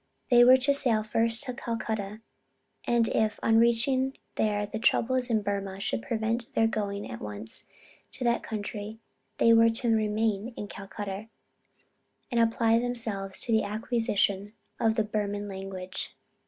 They were to sail first to Calcutta, and if on reaching there the troubles in Burmah should prevent their going at once to that country, they were to remain in Calcutta, and apply themselves to the acquisition of the Burman language.